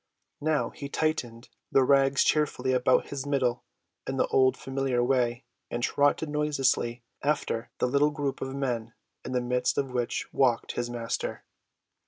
Now he tightened the rags cheerfully about his middle in the old familiar way and trotted noiselessly after the little group of men, in the midst of which walked his Master.